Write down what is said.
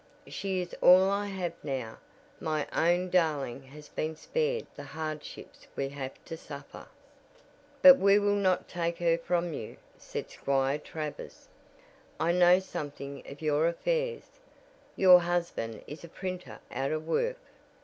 She is all I have now my own darling has been spared the hardships we have to suffer." "But we will not take her from you," said Squire Travers. "I know something of your affairs. Your husband is a printer out of work?